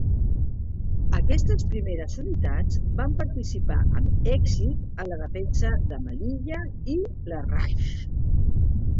Aquestes primeres unitats van participar amb èxit en la defensa de Melilla i Larraix.